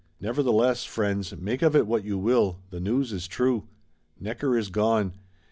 Nevertheless, friends, make of it what you will, the news is true. Necker is gone.